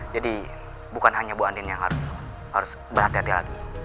jadi bukan hanya bu andin yang harus berhati hati lagi